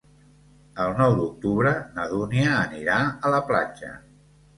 El nou d'octubre na Dúnia anirà a la platja.